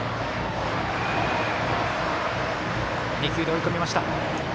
２球で追い込みました。